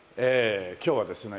今日はですね